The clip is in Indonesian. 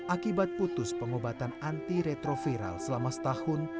akibat putus pengobatan anti retroviral selama setahun